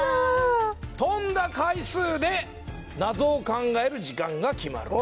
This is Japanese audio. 跳んだ回数で謎を考える時間が決まる。